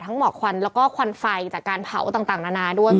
หมอกควันแล้วก็ควันไฟจากการเผาต่างนานาด้วย